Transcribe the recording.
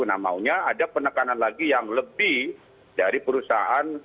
nah maunya ada penekanan lagi yang lebih dari perusahaan